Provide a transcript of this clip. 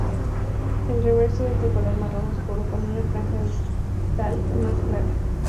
El reverso es de color marrón oscuro con una franja distal más clara.